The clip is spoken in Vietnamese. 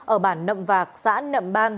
ở bản nậm vạc xã nậm ban